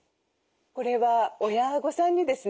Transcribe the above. これは親御さんにですね